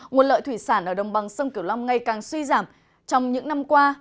nguồn lợi thủy sản ở đồng bằng sông kiều lâm ngày càng suy giảm trong những năm qua